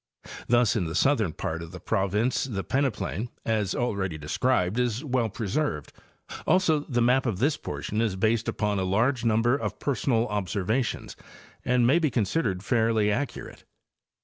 Thus in the southern part of the province the peneplain, as already described, is well preserved; also the map of this portion is based upon a large number of personal observations and may be considered fairly accurate.